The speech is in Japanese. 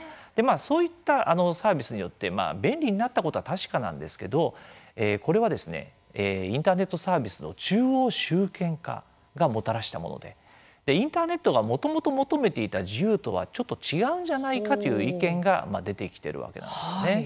そういったサービスによって便利になったことは確かなんですけど、これはインターネットサービスの中央集権化がもたらしたものでインターネットがもともと求めていた自由とはちょっと違うんじゃないかという意見が出てきてるわけなんですね。